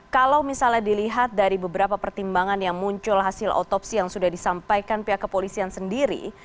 kalau misalnya dilihat dari beberapa pertimbangan yang muncul hasil otopsi yang sudah disampaikan pihak kepolisian sendiri